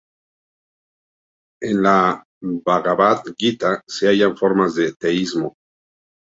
En la "Bhagavad Gita" se hallan formas de teísmo.